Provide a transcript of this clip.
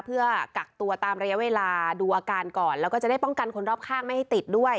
เพื่อกักตัวตามระยะเวลาดูอาการก่อนแล้วก็จะได้ป้องกันคนรอบข้างไม่ให้ติดด้วย